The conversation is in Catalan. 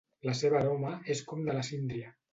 La seva aroma és com de la síndria.